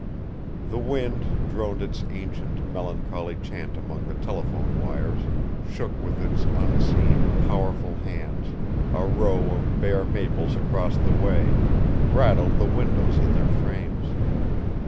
The wind droned its ancient, melancholy chant among the telephone wires, shook with its unseen, powerful hands a row of bare maples across the way, rattled the windows in their frames.